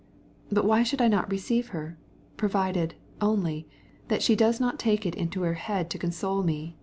"But why should I not receive her? If only she doesn't take it into her head to console me!"